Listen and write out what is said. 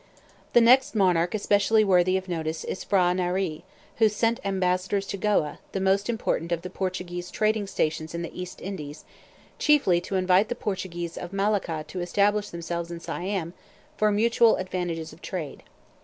The next monarch especially worthy of notice is P'hra Narai, who sent ambassadors to Goa, the most important of the Portuguese trading stations in the East Indies, chiefly to invite the Portuguese of Malacca to establish themselves in Siam for mutual advantages of trade.